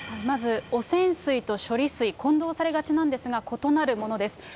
まず、汚染水と処理水、混同されがちなんですが、異なるものです。